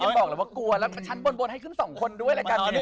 พี่ยังบอกแบบว่ากลัวแล้วชั้นบนให้ขึ้น๒คนด้วย